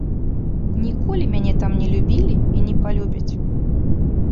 Ніколі мяне там не любілі і не палюбяць.